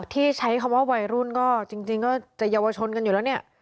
ที่ใช้คำว่าวัยรุ่นก็จริงก็จะเยาวชนกันอยู่แล้วเนี่ย